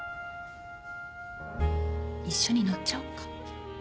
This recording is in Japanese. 一緒に乗っちゃおっか。